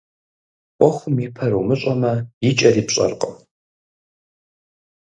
Ӏуэхум и пэр умыщӀэмэ, и кӀэри пщӀэркъым.